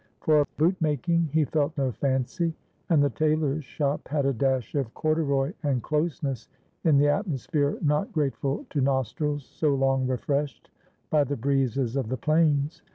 For boot making he felt no fancy, and the tailor's shop had a dash of corduroy and closeness in the atmosphere not grateful to nostrils so long refreshed by the breezes of the plains.